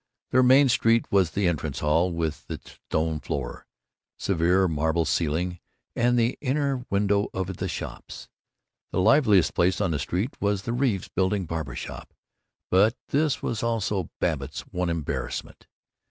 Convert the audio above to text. Their Main Street was the entrance hall, with its stone floor, severe marble ceiling, and the inner windows of the shops. The liveliest place on the street was the Reeves Building Barber Shop, but this was also Babbitt's one embarrassment.